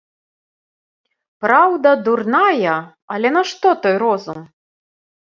Праўда, дурная, але нашто той розум!